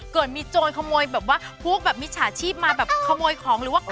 เกิดมีโจรขโมยแบบว่าพวกมีชาชีพมาขโมยของหรือว่าฆ่า